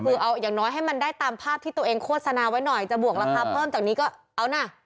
คือเอาอย่างน้อยให้มันได้ตามภาพที่ตัวเองโฆษณาไว้หน่อยจะบวกราคาเพิ่มจากนี้ก็เอานะ